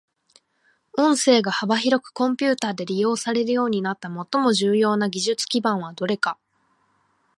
音声が幅広くコンピュータで利用されるようになった最も重要な技術基盤はどれか。